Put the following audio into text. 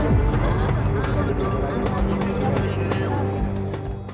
salah satu korban adalah anaknya yang bekerja sebagai asisten rumah tangga di toko ini